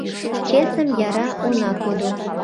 Чесым яраш она кодо, -